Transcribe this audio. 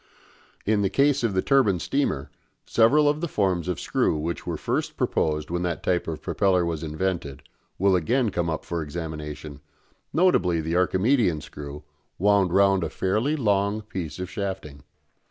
In the case of the turbine steamer several of the forms of screw which were first proposed when that type of propeller was invented will again come up for examination, notably the Archimedean screw, wound round a fairly long piece of shafting.